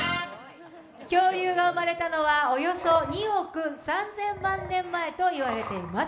恐竜が生まれたのはおよそ２億３０００万年前といわれています。